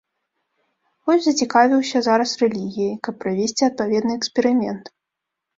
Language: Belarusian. Вось зацікавіўся зараз рэлігіяй, каб правесці адпаведны эксперымент.